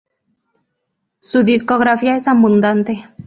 Su discografía es abundante.